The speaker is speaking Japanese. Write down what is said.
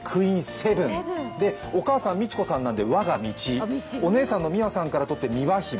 セブン、お母さんは道子さんなんで我が道お姉さんの美和さんからとって美和姫。